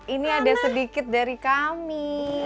ini ada sedikit dari kami